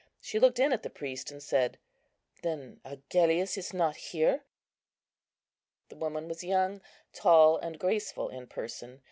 She looked in at the priest, and said, "Then Agellius is not here?" The woman was young, tall, and graceful in person.